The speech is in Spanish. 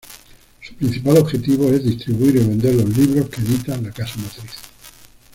Su principal objetivo es distribuir y vender los libros que edita la casa matriz.